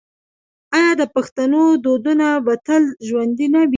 آیا د پښتنو دودونه به تل ژوندي نه وي؟